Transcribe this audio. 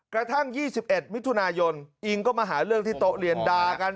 กระทั่ง๒๑มิถุนายนอิงก็มาหาเรื่องที่โต๊ะเรียนด่ากัน